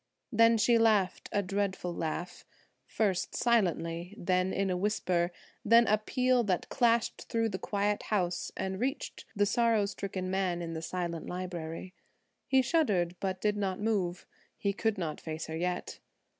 Then she laughed a dreadful laugh: first, silently; then in a whisper; then a peal that clashed through the quiet house and reached the sorrow stricken man in the silent library. He shuddered, but did not move; he could not face her yet.